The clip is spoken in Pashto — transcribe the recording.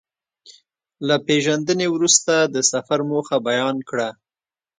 له پېژندنې وروسته د سفر موخه بيان کړه.